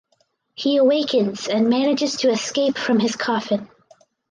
He awakens and manages to escape from his coffin.